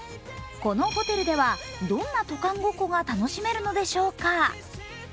このホテルではどんな渡韓ごっこが楽しめるのでしょうか。